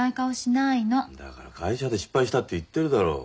だから会社で失敗したって言ってるだろ。